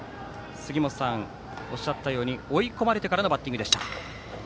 杉本さんがおっしゃったように追い込まれてからのバッティングでした。